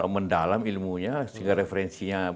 mendalam ilmunya sehingga referensinya